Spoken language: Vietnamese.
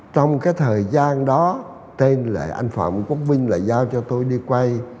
trong cái thời gian đó tên là anh phạm quốc vinh là giao cho tôi đi quay